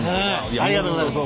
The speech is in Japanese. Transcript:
ありがとうございます。